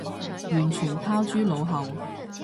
完全拋諸腦後